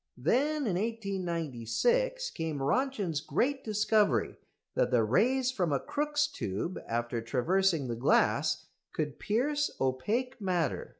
Then in 1896 came Röntgen's great discovery that the rays from a Crookes' tube, after traversing the glass, could pierce opaque matter.